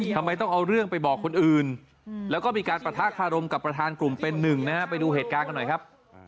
ทำไมต้องเอาเรื่องไปบอกคนอื่นแล้วก็มีการปะทะคารมกับประธานกลุ่มเป็นหนึ่งนะฮะไปดูเหตุการณ์กันหน่อยครับ